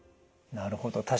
なるほど。